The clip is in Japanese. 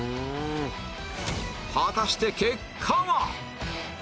果たして結果は？